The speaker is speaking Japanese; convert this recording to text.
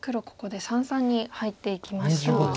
ここで三々に入っていきました。